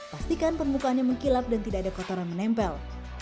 pastikan permukaannya mengkilap dan tidak ada kotoran menempel